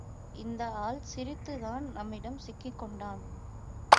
இந்த ஆள் சிரித்துத்தான் நம்மிடம் சிக்கிக்கொண்டான்.